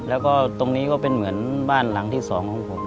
แล้วก็ตรงนี้ก็เป็นเหมือนบ้านหลังที่สองของผม